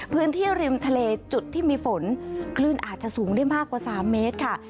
พื้นที่ริมทะเลจุดที่มีฝนคลื่นอาจจะสูงได้มากกว่า๓เมตรค่ะ